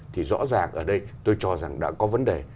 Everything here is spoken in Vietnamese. thì rõ ràng ở đây tôi cho rằng đã có vấn đề